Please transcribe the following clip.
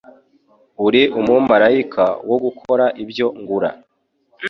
uri umumarayika wo gukora ibyo ngura.